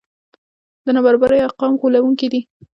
د نابرابرۍ ارقام غولوونکي دي.